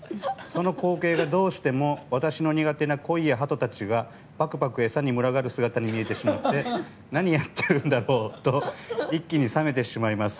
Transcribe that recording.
その光景が、どうしても私の苦手なコイやハトたちがパクパクと餌に群がる姿に見えてしまって何やってるんだろうと一気に冷めてしまいます。